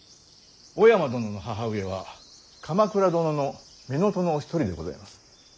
小山殿の母上は鎌倉殿の乳母のお一人でございます。